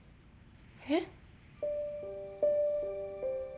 えっ。